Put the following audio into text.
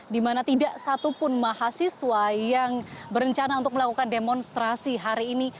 di mana tidak satupun mahasiswa yang berencana untuk melakukan demonstrasi hari ini